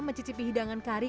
mencicipi hidangan kari